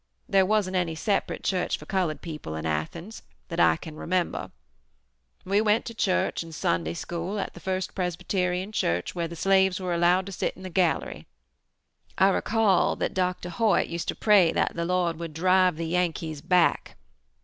There wasn't any separate church for colored people in Athens, that I can remember. We went to church and Sunday School at the First Presbyterian Church, where the slaves were allowed to sit in the gallery. I recall that Dr. Hoyt used to pray that the Lord would drive the Yankees back.